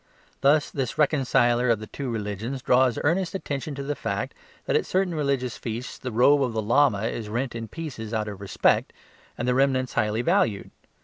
Thus this reconciler of the two religions draws earnest attention to the fact that at certain religious feasts the robe of the Lama is rent in pieces out of respect, and the remnants highly valued.